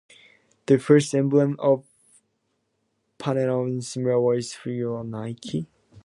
The first emblem of Panionios in Smyrna was a figure of Nike.